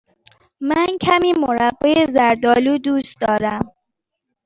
من کمی مربای زرد آلو دوست دارم.